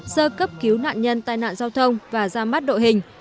sơ cấp cứu nạn nhân tai nạn giao thông và ra mắt đội hình